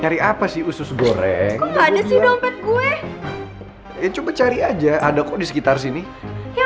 nyari apa sih usus goreng ada sih dompet gue ya coba cari aja ada kok di sekitar sini ya